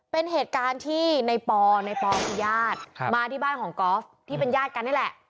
เป็นเหตุการณ์ที่ในปอในปอคือญาติมาที่บ้านของกอล์ฟที่เป็นญาติกันนี่แหละ